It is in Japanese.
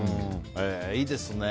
いいですね。